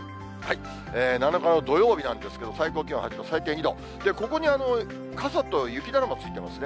７日の土曜日なんですけれども、最高気温８度、最低２度、ここに傘と雪だるまついてますね。